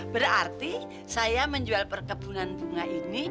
berarti saya menjual perkebunan bunga ini